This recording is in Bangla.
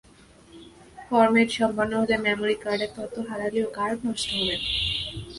ফরম্যাট সম্পন্ন হলে মেমোরি কার্ডের তথ্য হারালেও কার্ড নষ্ট হবে না।